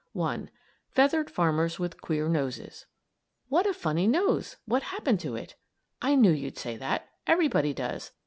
FEATHERED FARMERS WITH QUEER NOSES "What a funny nose! What happened to it?" I knew you'd say that. Everybody does.